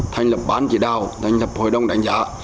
thành lập bán chỉ đào thành lập hội đồng đánh giá